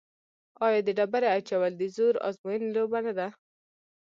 آیا د ډبرې اچول د زور ازموینې لوبه نه ده؟